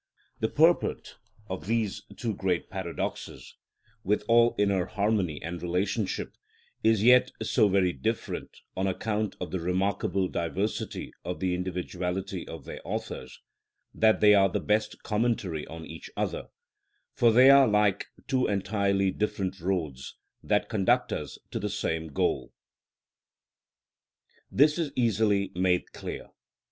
The purport of these two great paradoxes, with all inner harmony and relationship, is yet so very different on account of the remarkable diversity of the individuality of their authors, that they are the best commentary on each other, for they are like two entirely different roads that conduct us to the same goal. This is easily made clear.